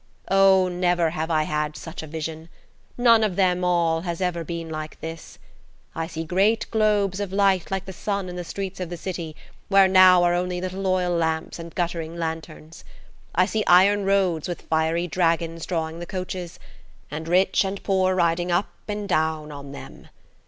Oh, never have I had such a vision. None of them all has ever been like this. I see great globes of light like the sun in the streets of the city, where now are only little oil lamps and guttering lanterns. I see iron roads, with fiery dragons drawing the coaches, and rich and poor riding up and down on them.